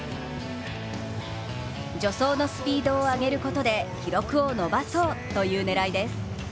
助走のスピードを上げることで記録を伸ばそうという狙いです。